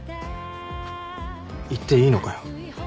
行っていいのかよ。